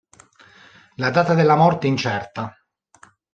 La data della morte è incerta.